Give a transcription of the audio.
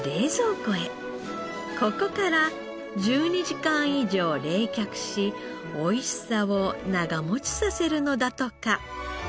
ここから１２時間以上冷却しおいしさを長持ちさせるのだとか。